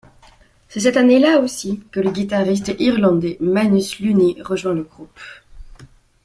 C'est cette année-là aussi que le guitariste irlandais Manus Lunny rejoint le groupe.